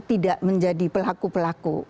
tidak menjadi pelaku pelaku